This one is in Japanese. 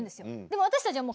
でも私たちは。